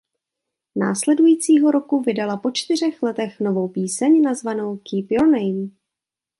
Následujícího roku vydala po čtyřech letech novou píseň nazvanou „Keep Your Name“.